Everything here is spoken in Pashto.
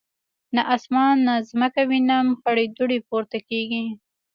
نه اسمان نه مځکه وینم خړي دوړي پورته کیږي